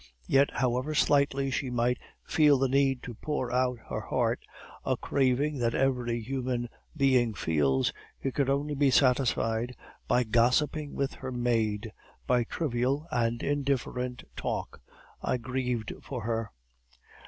Yet however slightly she might feel the need to pour out her heart, a craving that every human being feels, it could only be satisfied by gossiping with her maid, by trivial and indifferent talk.... I grieved for her.